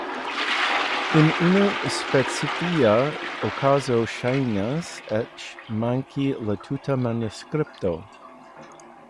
En unu specifa okazo ŝajnas eĉ manki la tuta manuskripto!